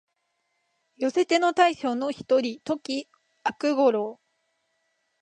寄せ手の大将の一人、土岐悪五郎